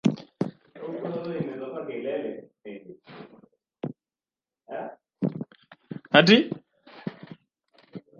inakuwa mali ya mwenye shamba.